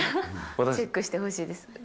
チェックしてほしいです。